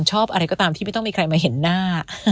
ชอบอะไรก็ตามที่ไม่ต้องมีใครมาเห็นหน้า